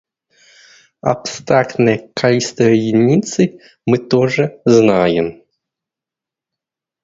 Абстрактное качество единицы мы тоже знаем.